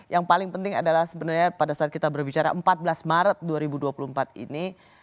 yang paling penting adalah sebenarnya pada saat kita berbicara empat belas maret dua ribu dua puluh empat ini